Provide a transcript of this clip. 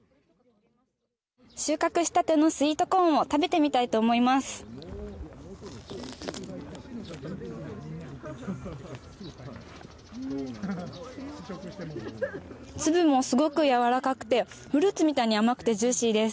収穫したてのスイートコーンを食べてみたいと思います。